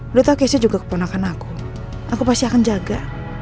udah tahu cashnya juga keponakan aku aku pasti akan jaga